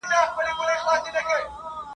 څه زلمۍ شپې وې شرنګ د پایلو !.